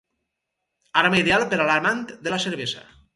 Arma ideal per a l'amant de la cervesa.